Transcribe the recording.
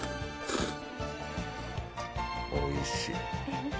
おいしい。